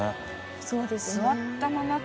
そうですね。